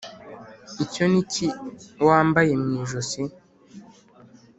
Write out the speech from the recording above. icyo ni iki wambaye mu ijosi ?